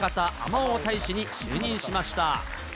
まおう大使に就任しました。